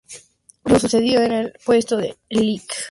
Lo sucedió en el puesto el lic.